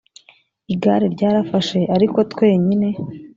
igare ryarafashe ariko twenyine